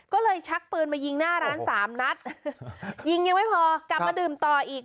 ก็เลยชักปืนมายิงหน้าร้านสามนัดยิงยังไม่พอกลับมาดื่มต่ออีก